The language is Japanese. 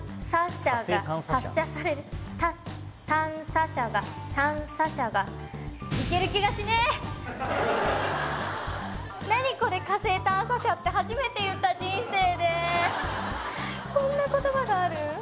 しゃが発射されるた探査車が探査車が何これ火星探査車って初めて言った人生でこんな言葉がある？